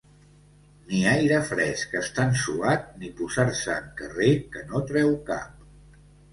Ni aire fresc estant suat ni posar-se en carrer que no treu cap.